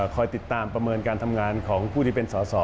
คอยติดตามประเมินการทำงานของผู้ที่เป็นสอสอ